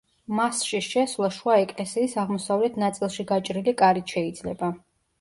მასში შესვლა შუა ეკლესიის აღმოსავლეთ ნაწილში გაჭრილი კარით შეიძლება.